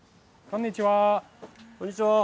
こんにちは。